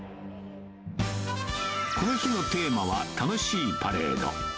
この日のテーマは、楽しいパレード。